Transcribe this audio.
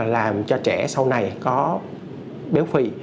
làm cho trẻ sau này có béo phì